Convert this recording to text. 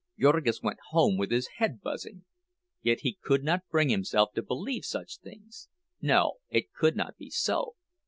Jurgis went home with his head buzzing. Yet he could not bring himself to believe such things—no, it could not be so.